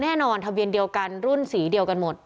แน่นอนทะเบียนเดียวกันรุ่นสีเดียวกันหมด